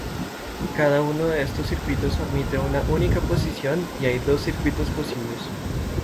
Cada uno de estos circuitos admite una única posición y hay dos circuitos posibles.